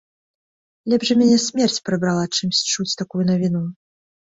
Лепш бы мяне смерць прыбрала, чымсь чуць такую навіну.